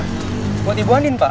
bunga buat ibu andin pak